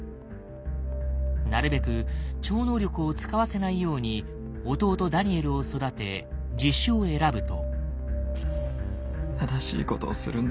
なるべく超能力を使わせないように弟ダニエルを育て自首を選ぶと。